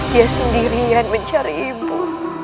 dia sendirian mencari ibu